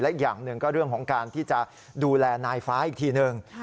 อีกอย่างหนึ่งก็เรื่องของการที่จะดูแลนายฟ้าอีกทีหนึ่ง